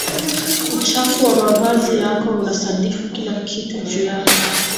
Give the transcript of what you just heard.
uchafu wa mavazi yako unasadifu kila kitu juu yako